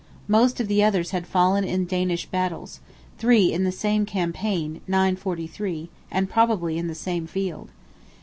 Most of the others had fallen in Danish battles—three in the same campaign (943), and probably in the same field.